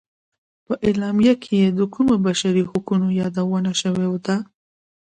په اعلامیه کې د کومو بشري حقونو یادونه شوې ده.